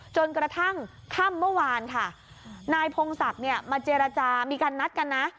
จนกระทั่งค่ำเมื่อวานค่ะนายพงศักดิ์เนี่ยมาเจรจามีการนัดกันนะ